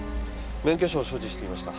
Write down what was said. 免許証を所持していました。